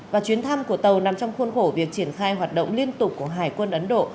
và chuyến thăm của tàu nằm trong khuôn khổ việc triển khai hoạt động liên tục của hải quân ấn độ